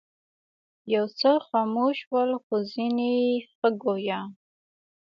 یو څه خموش ول خو ځینې ښه ګویا.